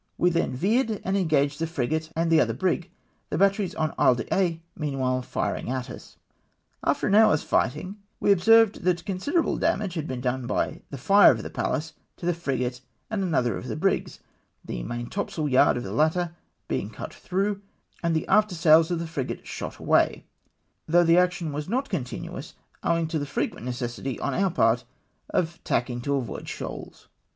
We 198 ENGAGE THE PREIVCH SQUADEON. then veered and eno:aai:ed the frio ate and the other brig; — the batteries on Isle d'Aix meanwhile firino; at us. After an hour's fighting, we observed that consider able damage had been done by the lire of the Pallas to the frigate and another of the brigs, the maintopsail yard of the latter being cut through, and the aftersails of the frigate shot away, though the action was not continuous, owing to the frequent necessity on our part of tacking to avoid shoals.